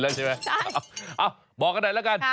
อ้าวบอกกันหน่อยแล้วกัน